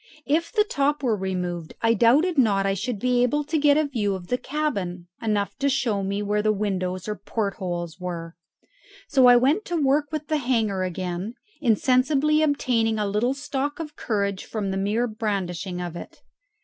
If the top were removed I doubted not I should be able to get a view of the cabin, enough to show me where the windows or port holes were. So I went to work with the hanger again, insensibly obtaining a little stock of courage from the mere brandishing of it.